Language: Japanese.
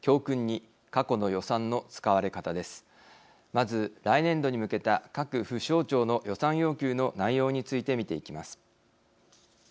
まず来年度に向けた各府省庁の予算要求の内容について見ていきます。